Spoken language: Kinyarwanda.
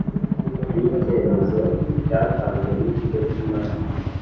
cicyemezo cyatanzwe n ikigo cy imari